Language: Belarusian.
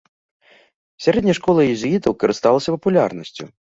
Сярэдняя школа езуітаў карысталася папулярнасцю.